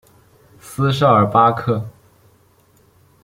斯绍尔巴克。